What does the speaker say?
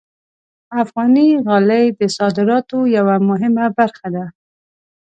افغاني غالۍ د صادراتو یوه مهمه برخه ده.